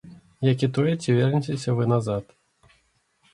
Як і тое, ці вернецеся вы назад.